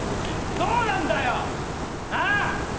どうなんだよ、あっ！